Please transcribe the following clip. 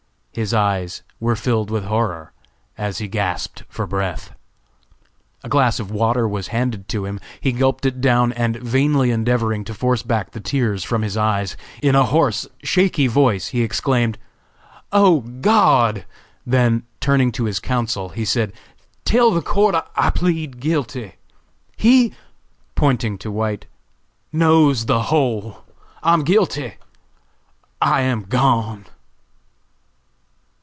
His eyes were filled with horror and he gasped for breath. A glass of water was handed to him. He gulped it down, and, vainly endeavoring to force back the tears from his eyes, in a hoarse, shaky voice, he exclaimed: "Oh, God!" Then, turning to his counsel, he said: "Tell the court I plead guilty. He," pointing to White, "knows the whole. I am guilty!! I am gone!!!"